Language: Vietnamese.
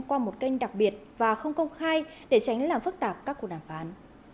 qua một kênh đặc biệt và không công khai để tránh làm phức tạp các cuộc đàm phán